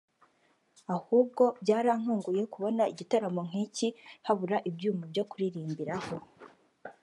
ahubwo byarantunguye kubona igitaramo nk’iki habura ibyuma byo kuririmbiraho